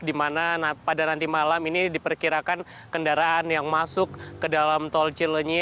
di mana pada nanti malam ini diperkirakan kendaraan yang masuk ke dalam tol cilenyi